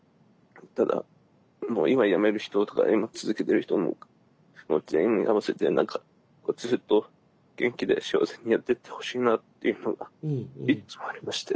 ただもう今辞める人とか今続けてる人ももう全員合わせて何かずっと元気で幸せにやってってほしいなっていうのがいっつもありまして。